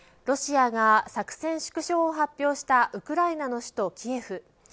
ロシアが作戦縮小を発表したウクライナの首都キエフ。